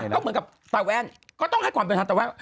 ก็เหมือนกับตาแว่นก็ต้องให้ความเป็นธรรมตาแว่น